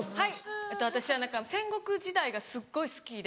私は戦国時代がすっごい好きで。